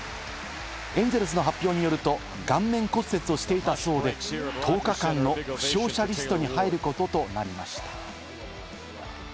エンゼルスの発表によると、顔面骨折をしていたそうで、１０日間の負傷者リストに入ることとなりました。